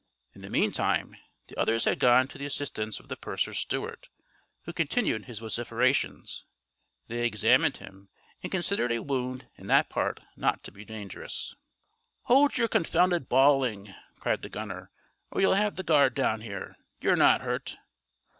In the meantime, the others had gone to the assistance of the purser's steward, who continued his vociferations. They examined him, and considered a wound in that part not to be dangerous. "Hold your confounded bawling," cried the gunner, "or you'll have the guard down here. You're not hurt."